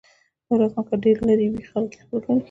دولتمند که ډېر لرې وي، خلک یې خپل ګڼي.